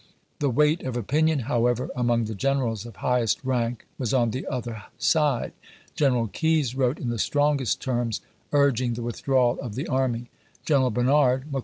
The weight of opinion, however, among the generals of highest rank, was on the other side. General Keyes wrote m the strongest terms urging the withdi'awal 01 the pp j^^]),' ^^2 army.